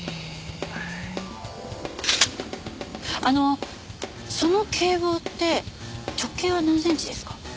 あのその警棒って直径は何センチですか？